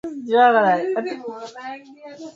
Uganda ni kama vile Kuchelewa sana kuingia